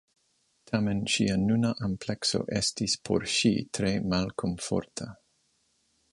Tamen ŝia nuna amplekso estis por ŝi tre malkomforta.